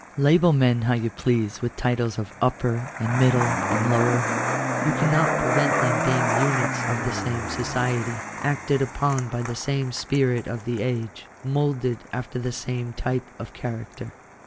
Label men how you please with titles of " upper," and "middle," and "lower," you cannot prevent them being units of the same society, acted upon by the 6ame spirit of the age, moulded after the same type of character.